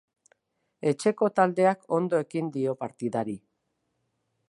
Etxeko taldeak ondo ekin dio partidari.